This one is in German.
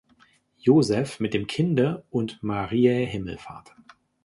Josef mit dem Kinde und Mariä Himmelfahrt.